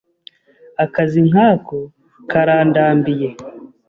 Akazi nkako karandambiye.